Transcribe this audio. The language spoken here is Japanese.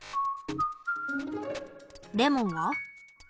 レモンは？